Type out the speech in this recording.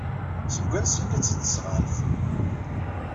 Seg wansi ay tt-id-tesɣamt?